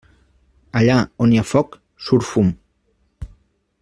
Allà on hi ha foc, surt fum.